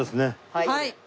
はい。